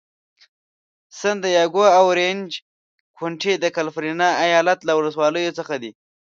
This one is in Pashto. سن دیاګو او اورینج کونټي د کالفرنیا ایالت له ولسوالیو څخه دي.